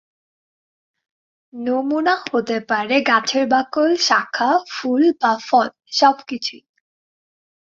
নমুনা হতে পারে গাছের বাকল, শাখা, ফুল বা ফল সবকিছুই।